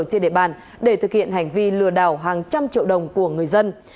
trên địa bàn để thực hiện hành vi lừa đảo hàng trăm triệu đồng của người dân